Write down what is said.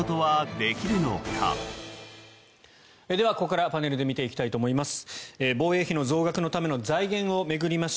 では、ここからパネルで見ていきたいと思います。